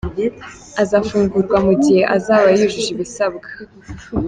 Azafungurwa mu gihe azaba yujuje ibisabwa.